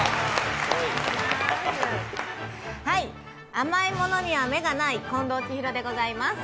甘いものには目がない近藤千尋でございます。